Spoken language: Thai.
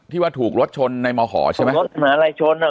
ที่ว่าถูกรถชนในหมอขอใช่เหรอ